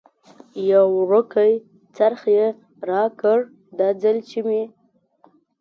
یو وړوکی څرخ یې راکړ، دا ځل چې مې.